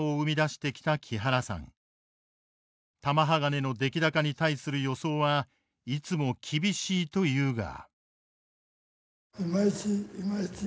玉鋼の出来高に対する予想はいつも厳しいというが。